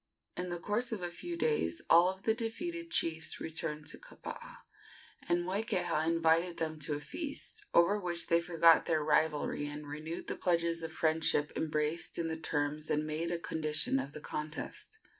In the course of a few days all of the defeated chiefs returned to Kapaa, and Moikeha invited them to a feast, over which they forgot their rivalry and renewed the pledges of friendship embraced in the terms and made a condition of the contest.